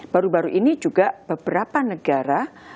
baru baru ini juga beberapa negara